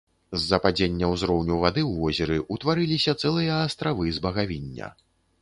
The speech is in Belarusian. З-за падзення ўзроўню вады ў возеры ўтварыліся цэлыя астравы з багавіння.